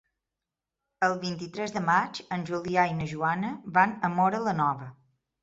El vint-i-tres de maig en Julià i na Joana van a Móra la Nova.